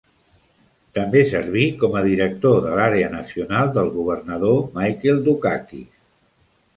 També serví com a director de l'àrea Nacional del governador Michael Dukakis.